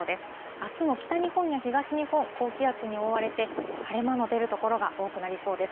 あすも北日本や東日本、高気圧に覆われて、晴れ間の出る所が多くなりそうです。